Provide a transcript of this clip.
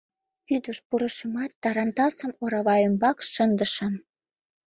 Вӱдыш пурышымат, тарантасым орава ӱмбак шындышым.